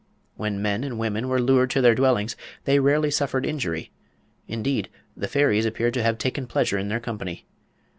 When men and women were lured to their dwellings they rarely suffered injury; indeed, the fairies appeared to have taken pleasure in their company.